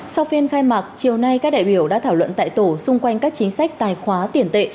sau phiên khai mạc chiều nay các đại biểu đã thảo luận tại tổ xung quanh các chính sách tài khóa tiền tệ